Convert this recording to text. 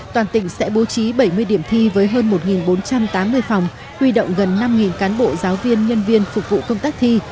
toàn tỉnh sẽ bố trí bảy mươi điểm thi với hơn một bốn trăm tám mươi phòng huy động gần năm cán bộ giáo viên nhân viên phục vụ công tác thi